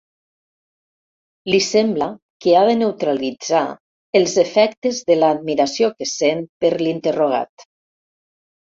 Li sembla que ha de neutralitzar els efectes de l'admiració que sent per l'interrogat.